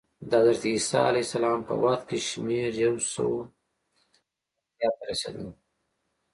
د حضرت عیسی په وخت کې شمېر یو سوه اتیا ته رسېږي